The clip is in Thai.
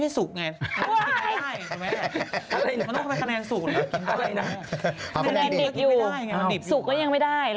สูงก็ยังไม่ได้